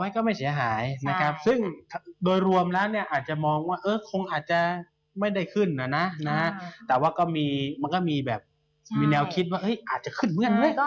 ก็คิดว่าอาจจะขึ้นเวลาไหม